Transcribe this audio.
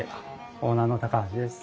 オーナーの橋です。